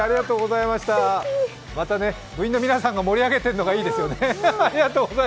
また部員の皆さんが盛り上げてるのがいいですね。